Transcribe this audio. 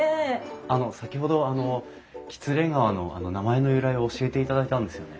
あの先ほどあの喜連川の名前の由来を教えていただいたんですよね。